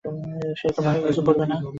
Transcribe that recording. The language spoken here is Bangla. সে তোমাকে কিছু করবে না।